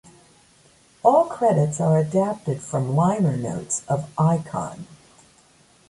All credits are adapted from liner notes of "Icon".